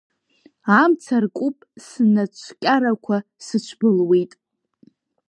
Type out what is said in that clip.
Амца ркуп, снацәкьарақәа сыцәбылуеит.